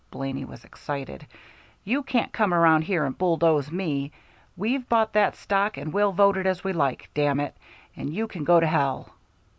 Blaney was excited. "You can't come around here and bulldoze me. We've bought that stock and we'll vote it as we like, damn it; and you can go to hell!"